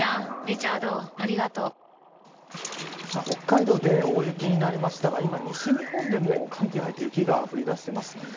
北海道で大雪になりましたが今、西日本でも寒気が入って雪が降りだしています。